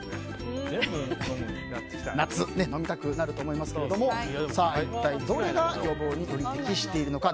夏、飲みたくなると思いますけれども一体、どれが予防により適しているのか。